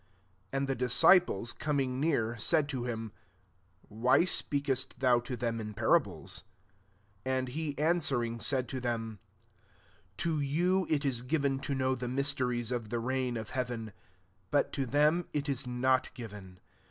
*' 10 And the disciples coming near, said to him, ^ Whyspeak est thou to them in parables ? 11 And he answering said to them, •* To you it is given to know the mysteries of the reign [of heaven ;] but to them it is not given.